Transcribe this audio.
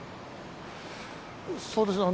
そうですね。